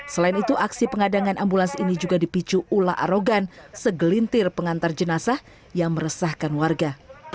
selain itu aksi pengadangan ambulans ini juga dipicu ulah arogan segelintir pengantar jenazah yang meresahkan warga